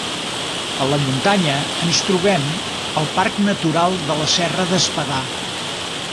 A la muntanya ens trobem el parc natural de la Serra d'Espadà.